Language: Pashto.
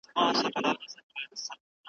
عمرونه کیږي بلبل دي غواړي .